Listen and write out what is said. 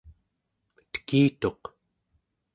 tekituq